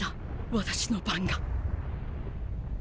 私の番が。